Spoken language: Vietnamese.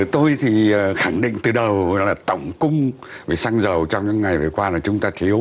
tôi thì khẳng định từ đầu là tổng cung về xăng dầu trong những ngày vừa qua là chúng ta thiếu